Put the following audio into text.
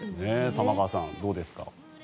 玉川さん、どうですか？